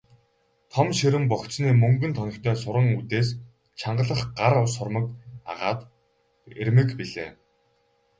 Том ширэн богцны мөнгөн тоногтой суран үдээс чангалах гар сурмаг агаад эрмэг билээ.